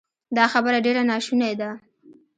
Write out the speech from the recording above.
دا خبره ډېره ناشونې ده